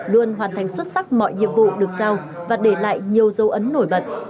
luôn hoàn thành xuất sắc mọi nhiệm vụ được giao và để lại nhiều dấu ấn nổi bật